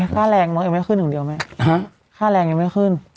ค่าแรงมั้งยังไม่ขึ้นอย่างเดียวแม่ค่าแรงยังไม่ขึ้น